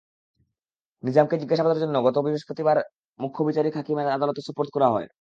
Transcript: নিজামকে জিজ্ঞাসাবাদের জন্য গতকাল বৃহস্পতিবার মুখ্য বিচারিক হাকিমের আদালতে সোপর্দ করা হয়।